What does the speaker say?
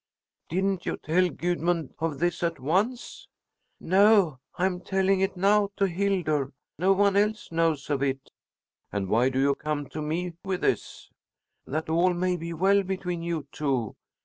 "Didn't you tell Gudmund of this at once?" "No, I'm telling it now to Hildur. No one else knows of it." "And why do you come to me with this?" "That all may be well between you two.